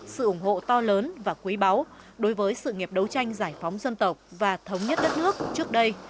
sự ủng hộ to lớn và quý báu đối với sự nghiệp đấu tranh giải phóng dân tộc và thống nhất đất nước trước đây